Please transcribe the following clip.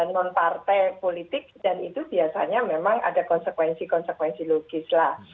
non partai politik dan itu biasanya memang ada konsekuensi konsekuensi logis lah